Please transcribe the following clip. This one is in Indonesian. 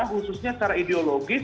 khususnya secara ideologis